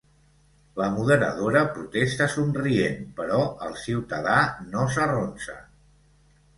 La moderadora protesta somrient, però el ciutadà no s'arronsa.